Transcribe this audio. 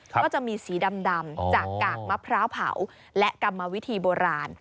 ก็จะมีสีดำจากกากมะพร้าวเผาและกรรมวิธีโบราณ